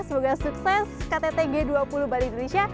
semoga sukses ktt g dua puluh bali indonesia